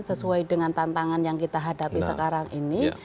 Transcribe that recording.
sesuai dengan tantangan yang kita hadapi sekarang ini